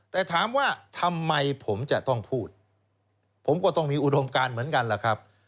แต่ถามว่าทำไมผมจะต้องพูดผมก็ต้องมีอุดมการเหมือนกันล่ะครับ